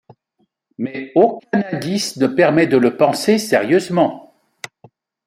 Mais aucun indice ne permet de le penser sérieusement.